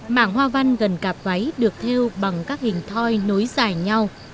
mảng hoa văn gần cặp váy được theo bằng các hình thoi nối dài nhau